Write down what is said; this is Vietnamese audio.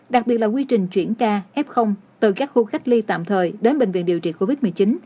đặc biệt là quy trình chuyển ca f từ các khu cách ly tạm thời đến bệnh viện điều trị covid một mươi chín